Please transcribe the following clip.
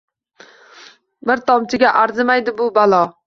Bir tomchiga arzimaydi bu balo.